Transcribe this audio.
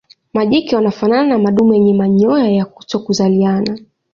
Majike wanafanana na madume yenye manyoya ya kutokuzaliana.